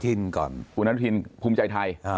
อุณหธินภูมิใจไทย